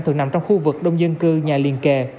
thường nằm trong khu vực đông dân cư nhà liền kề